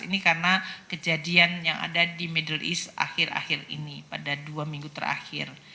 ini karena kejadian yang ada di middle east akhir akhir ini pada dua minggu terakhir